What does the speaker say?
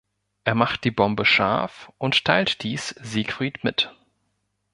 Er macht die Bombe scharf und teilt dies Siegfried mit.